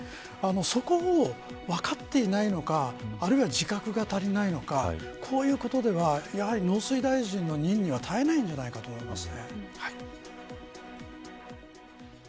そこを分かっていないのかあるいは自覚が足りないのかこういうことでは農水大臣の任には耐えないのではないかと思います。